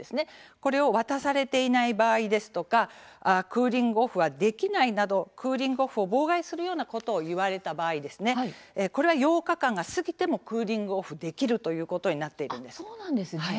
これを渡されていない場合ですとかクーリング・オフはできないなどクーリング・オフを妨害することを言われた場合これは８日間が過ぎてもクーリング・オフできるということになっているんです。